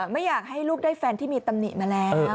ไม่อยากให้ลูกได้แฟนที่มีตำหนิมาแล้ว